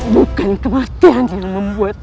bukan kematian yang membuat